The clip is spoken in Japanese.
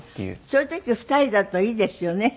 そういう時２人だといいですよね。